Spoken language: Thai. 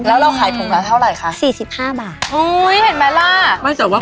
แล้วเราขายถุงแล้วเท่าไหร่คะ